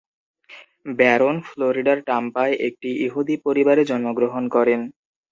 Baron ফ্লোরিডার টাম্পায় একটি ইহুদি পরিবারে জন্মগ্রহণ করেন।